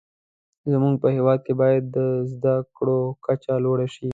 زموږ په هیواد کې باید د زده کړو کچه لوړه شې.